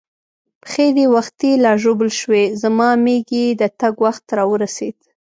پښې دې وختي لا ژوبل شوې، زما مېږي د تګ وخت را ورسېد.